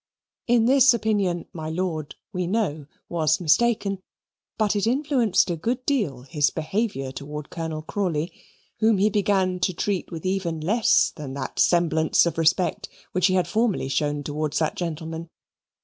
In this opinion my lord, we know, was mistaken, but it influenced a good deal his behaviour towards Colonel Crawley, whom he began to treat with even less than that semblance of respect which he had formerly shown towards that gentleman.